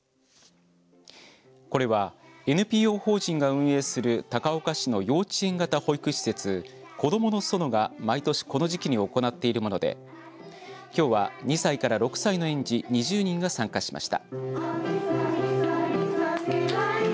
これはＮＰＯ法人が運営する高岡市の幼稚園型保育施設こどものそのが毎年この時期に行っているものできょうは２歳から６歳の園児２０人が参加しました。